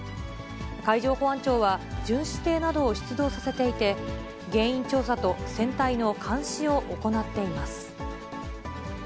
海上保安庁は、巡視艇などを出動させていて、原因調査と船体の監視を行っています。